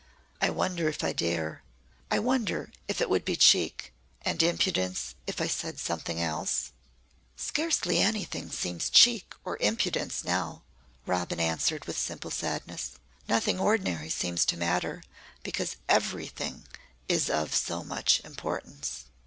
"I wonder if I dare I wonder if it would be cheek and impudence if I said something else?" "Scarcely anything seems cheek or impudence now," Robin answered with simple sadness. "Nothing ordinary seems to matter because everything is of so much importance."